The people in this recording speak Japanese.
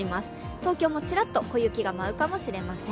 東京もちらっと雪が舞うかもしれません。